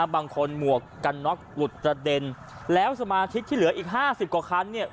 หมวกกันน็อกหลุดกระเด็นแล้วสมาชิกที่เหลืออีก๕๐กว่าคันเนี่ย